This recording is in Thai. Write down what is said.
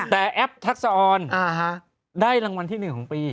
แต่แอปทักษะออนได้รางวัลที่๑ของปี